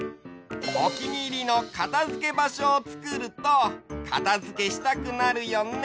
おきにいりのかたづけばしょをつくるとかたづけしたくなるよね！